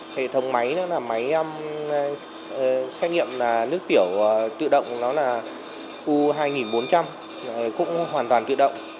hệ thống máy xét nghiệm nước tiểu tự động là u hai nghìn bốn trăm linh cũng hoàn toàn tự động